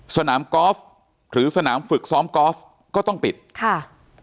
สนามกอล์ฟหรือสนามฝึกซ้อมกอล์ฟก็ต้องปิดค่ะ